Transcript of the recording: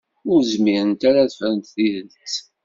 Ur zmirent ara ad ffrent tidet.